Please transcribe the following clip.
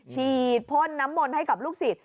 ฉีดพ่นน้ำมนต์ให้กับลูกศิษย